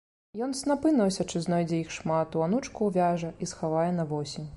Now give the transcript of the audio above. Ён, снапы носячы, знойдзе іх шмат, у анучку ўвяжа і схавае на восень.